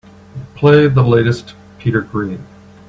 Play the latest Peter Green.